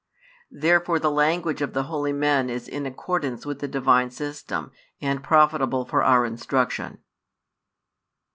Therefore the language of the holy men is in accordance with the Divine system and profitable for our instruction.